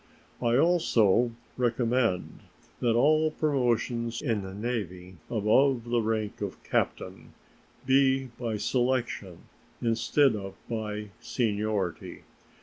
I also recommend that all promotions in the Navy above the rank of captain be by selection instead of by seniority.